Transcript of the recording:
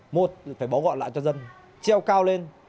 một phải báo gọi lại cho dân treo cao lên